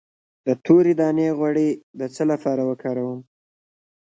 د تورې دانې غوړي د څه لپاره وکاروم؟